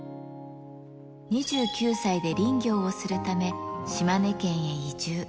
２９歳で林業をするため、島根県へ移住。